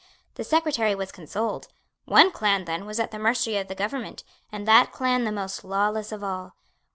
The Secretary was consoled. One clan, then, was at the mercy of the government, and that clan the most lawless of all.